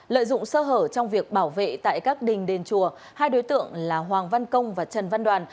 lợi dụng sơ hở trong việc bảo vệ tại các đình đền chùa hai đối tượng là hoàng văn công và trần văn đoàn